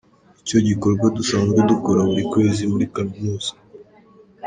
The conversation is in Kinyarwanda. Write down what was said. Nicyo gikorwa dusanzwe dukora buri kwezi muri kaminuza.